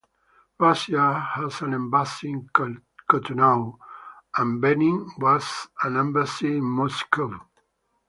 Russia has an embassy in Cotonou, and Benin has an embassy in Moscow.